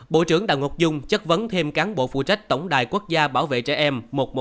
bộ trưởng đào ngọc dung chất vấn thêm cán bộ phụ trách tổng đài quốc gia bảo vệ trẻ em một trăm một mươi một